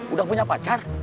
udah punya pacar